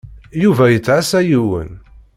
Yuba yettɛassa yiwen.